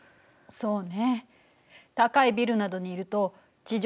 そうね。